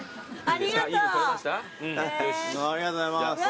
ありがとうございます。